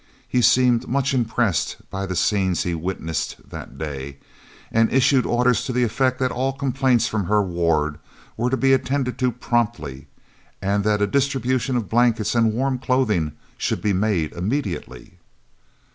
He seemed much impressed by the scenes he witnessed that day, and issued orders to the effect that all complaints from her ward were to be attended to promptly, and that a distribution of blankets and warm clothing should be made immediately.